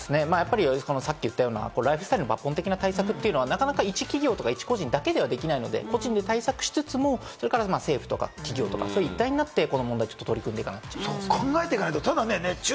さっき言ったようなライフスタイルの抜本的な対策というのは一企業や一個人だけではできないので、個人で対策しつつも、政府とか企業とか一体になって、この問題に取り組んでいかなきゃいけないと思います。